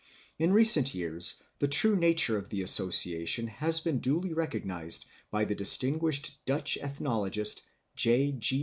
In recent years the true nature of the association has been duly recognised by the distinguished Dutch ethnologist, J.